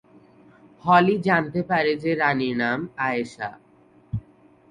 হলি জানতে পারে যে রাণীর নাম "আয়েশা"।